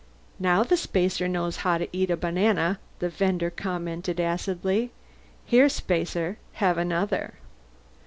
"Now the spacer knows how to eat a banana," the vender commented acidly. "Here, spacer. Have another."